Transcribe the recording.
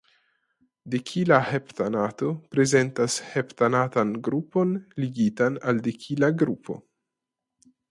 Dekila heptanato prezentas heptanatan grupon ligitan al dekila grupo.